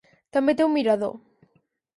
També té un mirador.